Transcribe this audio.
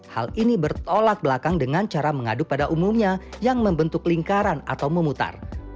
hal ini bertolak belakang dengan cara mengaduk pada umumnya yang membentuk lingkaran atau memutar